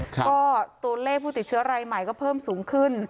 ก็ตัวเลขผู้ติดเชื้อรายใหม่ก็เพิ่มสูงขึ้น